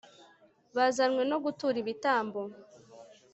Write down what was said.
bazanywe no gutura ibitambo